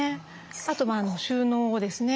あと収納ですね。